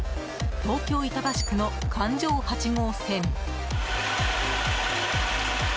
東京・板橋区の環状８号線。